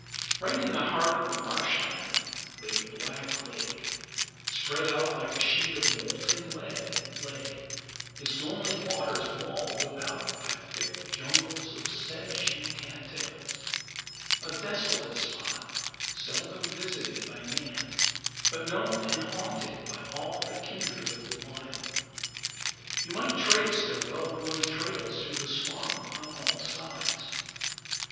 Right in the heart of the marsh land lay Black Lake. Spread out like a sheet of molten lead it lay, its lonely waters walled about by thick jungles of sedge and cattails; a desolate spot, seldom visited by man, but known and haunted by all the kindred of the wild. You might trace their well worn trails through the swamp on all sides.